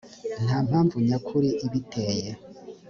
nta mpamvu nyakuri ibiteye